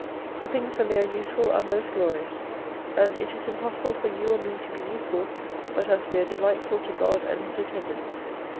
For things when they are useful are most glorious, and it is impossible for you or me to be useful but as we are delightful to God and His attendants.